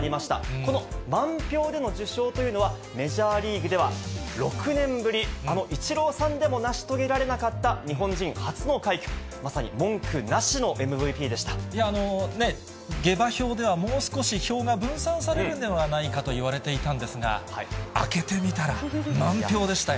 この満票での受賞というのは、メジャーリーグでは６年ぶり、あのイチローさんでも成し遂げられなかった日本人初の快挙、下馬評では、もう少し票が分散されるんではないかといわれていたんですが、開けてみたら、満票でしたよ。